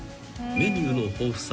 ［メニューの豊富さ。